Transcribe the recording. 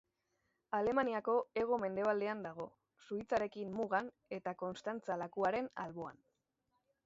Alemaniako hego-mendebaldean dago, Suitzarekin mugan eta Konstantza lakuaren alboan.